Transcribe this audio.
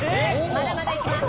まだまだいきます